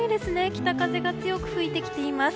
北風が強く吹いてきています。